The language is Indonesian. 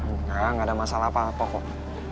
enggak ada masalah apa apa kok